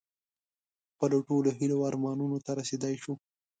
خپلو ټولو هیلو او ارمانونو ته رسېدی شو.